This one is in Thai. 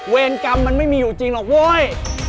เวรกรรมมันไม่มีอยู่จริงหรอกโว้ย